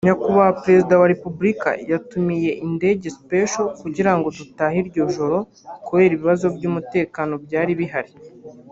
Nyakubahwa président wa République yadutumiye Indege spécial kugira ngo dutahe iryo joro kubera ibibazo by’umutekano byari bihari